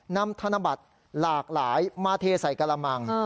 ธนบัตรหลากหลายมาเทใส่กระมัง